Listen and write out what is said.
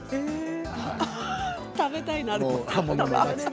食べたいな。